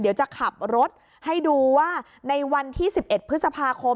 เดี๋ยวจะขับรถให้ดูว่าในวันที่๑๑พฤษภาคม